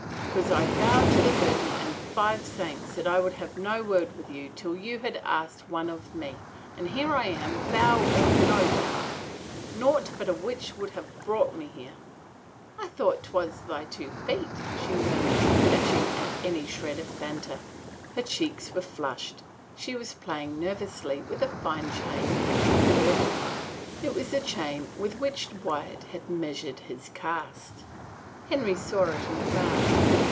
" Because I vowed to the Virgin and five saints that I would have no word with you till you had asked one of me — and here I am, vow or no vow. Naught but a witch could have brought me here." " I thought 'twas thy two feet," she murmured, catch ing at any shred of banter. Her cheeks were flushed; she was playing nervously with a fine chain at her girdle. It was the chain with which Wyatt had measured his cast. Henry saw it and frowned.